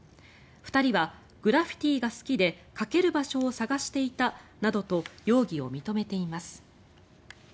２人はグラフィティーが好きで描ける場所を探していたなどと容疑を認めています。